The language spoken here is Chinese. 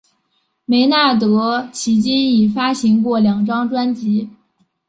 梅纳德迄今已发行过两张专辑。